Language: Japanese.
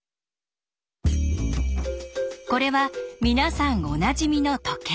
これは皆さんおなじみの時計。